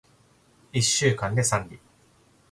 一週間で三里